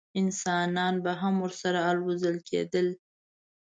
انسانان به هم ورسره الوزول کېدل.